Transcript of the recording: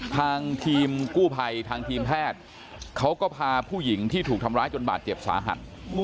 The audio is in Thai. ทางทีมกู้ภัยทางทีมแพทย์เขาก็พาผู้หญิงที่ถูกทำร้ายจนบาดเจ็บสาหัส